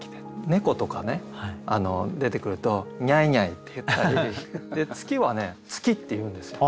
猫とかね出てくると「にゃいにゃい」って言ったり月はね「つき」って言うんですよ。